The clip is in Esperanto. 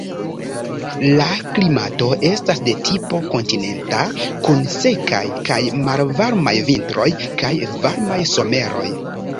La klimato estas de tipo kontinenta, kun sekaj kaj malvarmaj vintroj kaj varmaj someroj.